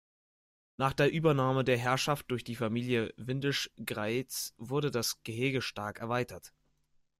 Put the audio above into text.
Nach der Übernahme der Herrschaft durch die Familie Windisch-Graetz wurde das Gehege stark erweitert.